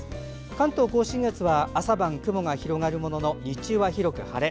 関東・甲信越は朝晩、雲が広がるものの日中は広く晴れ。